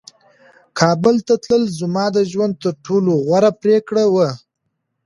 کابل ته تلل زما د ژوند تر ټولو غوره پرېکړه وه.